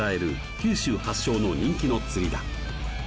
九州発祥の人気の釣りだ